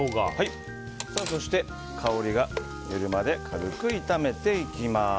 そして、香りが出るまで軽く炒めていきます。